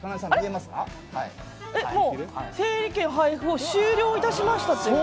整理券配布を終了いたしましたって。